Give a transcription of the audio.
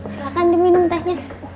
silahkan diminum tehnya